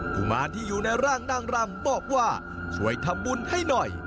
กุมารที่อยู่ในร่างนางรำบอกว่าช่วยทำบุญให้หน่อย